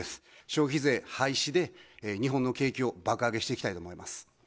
消費税廃止で日本の景気を爆上げしていきたいと思います。